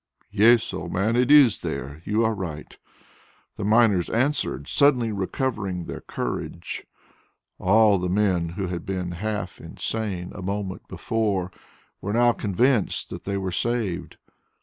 "Yes, old man, it is there, you are right," the miners answered, suddenly recovering their courage. All the men who had been half insane a moment before were now convinced that they were saved.